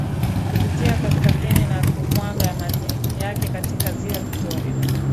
kupitia Kaskazini na kumwaga majiyake katika ziwa Victoria